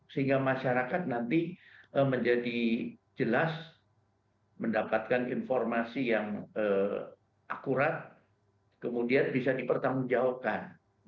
sehingga masyarakat nanti menjadi jelas mendapatkan informasi yang akurat kemudian bisa dipertanggungjawabkan